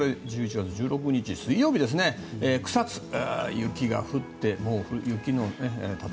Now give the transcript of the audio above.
１１月１６日、水曜日の草津、雪が降ってます。